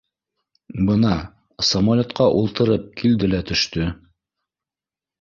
Бына, самолетҡа ултырып, килде лә төштө